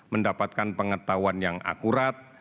mendapatkan pengetahuan yang akurat